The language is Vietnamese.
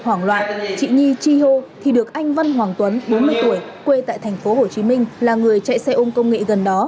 hoảng loạn chị nhi chi hô thì được anh văn hoàng tuấn bốn mươi tuổi quê tại tp hồ chí minh là người chạy xe ôn công nghệ gần đó